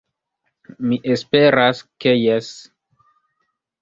Mi esperas ke jes.